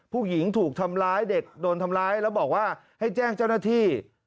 ผู้หญิงถูกทำร้ายเด็กโดนทำร้ายแล้วบอกว่าให้แจ้งเจ้าหน้าที่